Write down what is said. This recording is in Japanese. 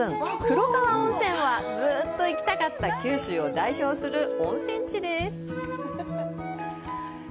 黒川温泉は、ずっと行きたかった九州を代表する温泉地です。